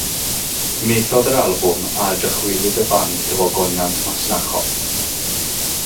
Methodd yr albwm â dychwelyd y band i'w ogoniant masnachol.